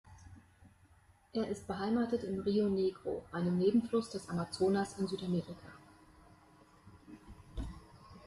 Er ist beheimatet im Rio Negro, einem Nebenfluss des Amazonas in Südamerika.